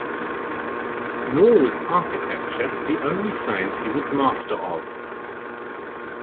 Nor was architecture the only science he was master of.